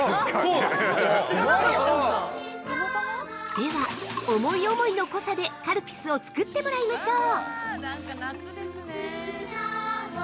では、思い思いの濃さで、カルピスを作ってもらいましょう。